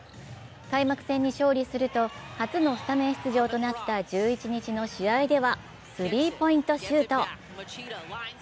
開幕戦に勝利すると初のスタメン出場となった１１日の試合ではスリーポイントシュート。